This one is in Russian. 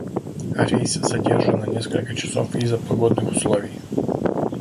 Рейс задержен на несколько часов из-за погодных условий.